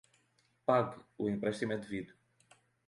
Pague, o empréstimo é devido.